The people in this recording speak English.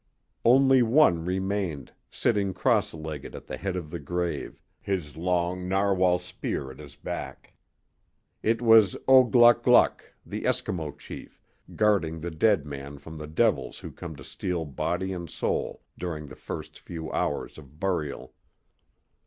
Only one remained, sitting cross legged at the head of the grave, his long narwhal spear at his back. It was O gluck gluck, the Eskimo chief, guarding the dead man from the devils who come to steal body and soul during the first few hours of burial.